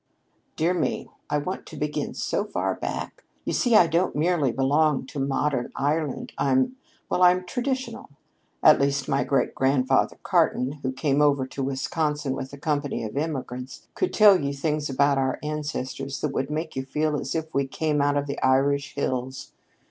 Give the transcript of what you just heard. "Dear me, I want to begin so far back! You see, I don't merely belong to modern Ireland. I'm well, I'm traditional. At least, Great Grandfather Cartan, who came over to Wisconsin with a company of immigrants, could tell you things about our ancestors that would make you feel as if we came up out of the Irish hills.